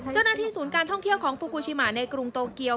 เจ้าหน้าที่ศูนย์การท่องเที่ยวของฟูกูชิมาในกรุงโตเกียว